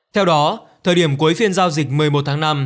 theo đó thời điểm cuối phiên giao dịch một mươi một tháng năm